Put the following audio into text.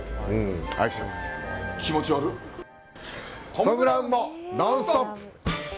トム・ブラウンも「ノンストップ！」。